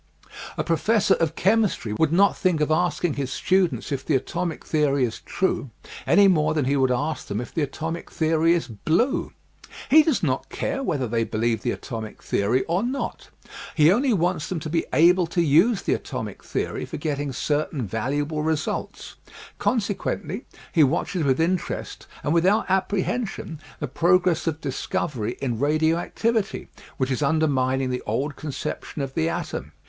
A professor of chemistry would not think of asking his students if the atomic theory is true any more than he would ask them if the atotnic theory is blue. He does not care whether they believe the atomic theory or not. He only wants them to be able to use the atomic theory for getting certain valuable results. Consequently, he watches with interest and without ap prehension the progress of discovery in radio activity 108 EASY LESSONS IN EINSTEIN which is undermining the old conception of the atom.